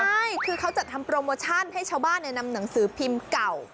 ใช่คือเขาจัดทำโปรโมชั่นให้ชาวบ้านนำหนังสือพิมพ์เก่า